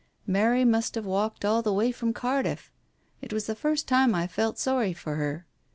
Mary must have walked all the way from Cardiff. It was the first time I felt sorry for her.